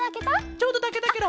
ちょうどたけたケロ！